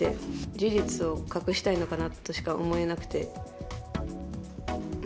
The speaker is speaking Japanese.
事実を隠したいのかなとしか思えなくて。